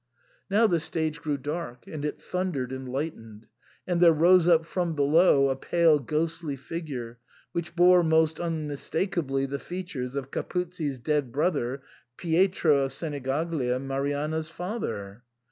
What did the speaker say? Now the stage grew dark, and it thundered and lightened, and there rose up from below a pale ghostly figure, which bore most unmistakably the features of Capuzzi's dead brother, Pietro of Senigaglia, Marianna's father.